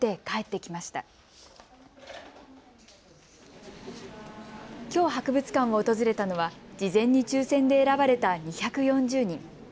きょう博物館を訪れたのは事前に抽せんで選ばれた２４０人。